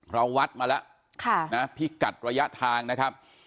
เราวัดมาแล้วพิกัดระยะทางนะครับ